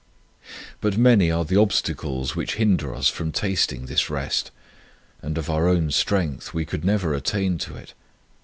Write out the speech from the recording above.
But many are the obstacles which hinder us from tasting this rest, and of our own strength we could never attain to it.